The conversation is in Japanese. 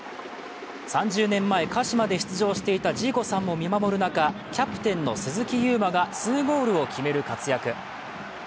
３０年前、鹿島で出場していたジーコさんも見守る中、キャプテンの鈴木優磨が２ゴールを決める活躍。